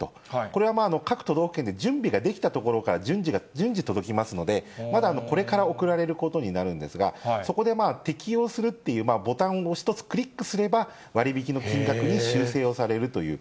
これは各都道府県で準備ができたところから、順次届きますので、まだこれから送られることになるんですが、そこで適用するというボタンを押すと、クリックすれば、割引の金額に修正をされるという。